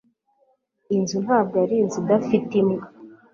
inzu ntabwo ari inzu idafite imbwa